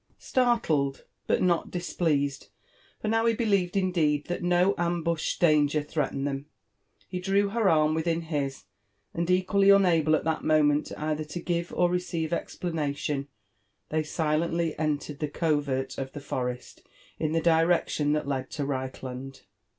Startled, but not displeased, — for now he believed indeed that no ambushed danger threatened them, — ho drew her arm within his, and equally unable at that moment eijlher to give or receive explanation, th^y silently entered the covert of the forest in the direction that led to Reichlaotl.